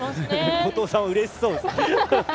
後藤さんうれしそうですね。